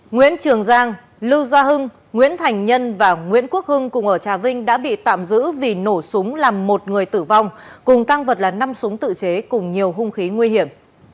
nguyễn trường giang lưu gia hưng nguyễn thành nhân và nguyễn quốc hưng cùng ở trà vinh đã bị tạm giữ vì nổ súng làm một người tử vong cùng tăng vật là năm súng tự chế cùng nhiều hung khí nguy hiểm